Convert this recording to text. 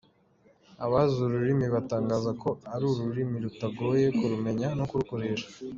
Abazi uru rurimi batangaza ko ari ururimi rutagoye kurumenya no kurukoresha.